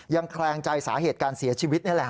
แคลงใจสาเหตุการเสียชีวิตนี่แหละ